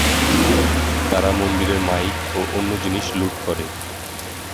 তারা মন্দিরের মাইক ও অন্য জিনিস লুট করে।